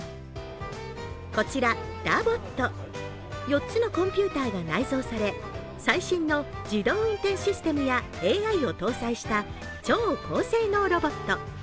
こちら、ＬＯＶＯＴ、４つのコンピューターが内蔵され最新の自動運転システムやＡＩを搭載した超高性能ロボット。